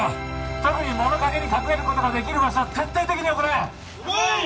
特に物陰に隠れることができる場所は徹底的に行え！